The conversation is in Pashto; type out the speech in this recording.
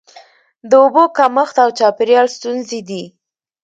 د اوبو کمښت او چاپیریال ستونزې دي.